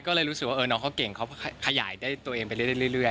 ก็เลยรู้สึกว่าน้องเขาเก่งเขาขยายได้ตัวเองไปเรื่อย